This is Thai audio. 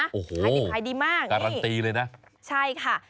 โอ้โหการันตีเลยนะไอติภัยดีมากนี่ใช่ค่ะ